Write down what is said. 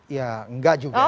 ya enggak juga sih